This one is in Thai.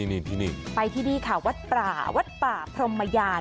นี่ไปที่นี่ค่ะวัดป่าวัดป่าพรหมยาน